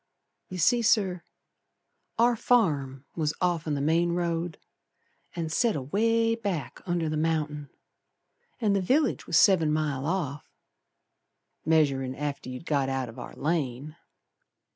You see, Sir, Our farm was off'n the main road, And set away back under the mountain; And the village was seven mile off, Measurin' after you'd got out o' our lane.